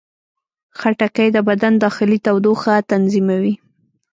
خټکی د بدن داخلي تودوخه تنظیموي.